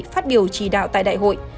phát biểu chỉ đạo tại đại hội